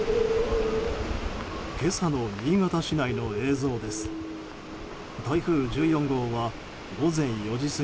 今朝の新潟市内の映像です。